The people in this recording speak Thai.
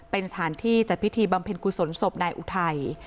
เป็นสถานที่จัดพิธีบำเพ็ญกุศลศพนายอุทัย